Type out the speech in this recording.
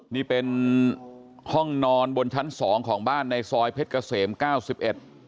นี่เป็นห้องนอนบนชั้น๒ของบ้านในซอยเพชรเกษม๙๑